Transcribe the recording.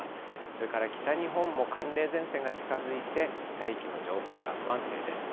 それから北日本も寒冷前線が近づいて、大気の状態が不安定です。